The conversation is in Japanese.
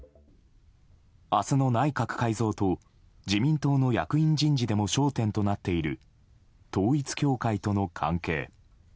明日の内閣改造と自民党の役員人事での焦点となっている統一教会との関係。